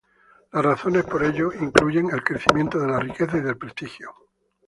Las razones para ello incluyen el crecimiento de las riquezas y del prestigio.